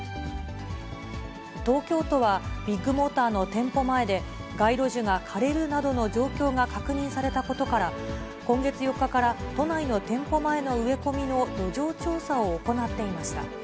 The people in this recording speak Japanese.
東京都は、ビッグモーターの店舗前で、街路樹が枯れるなどの状況が確認されたことから、今月４日から都内の店舗前の植え込みの土壌調査を行っていました。